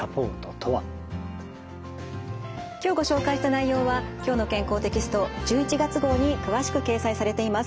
今日ご紹介した内容は「きょうの健康」テキスト１１月号に詳しく掲載されています。